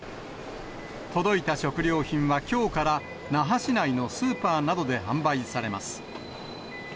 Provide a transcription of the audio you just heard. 届いた食料品はきょうから、那覇市内のスーパーなどで販売されます。